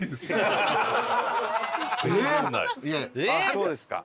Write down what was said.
そうですか。